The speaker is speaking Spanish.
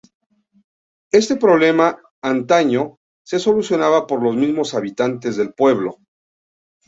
Este problema antaño se solucionaba por los mismos habitantes del pueblo.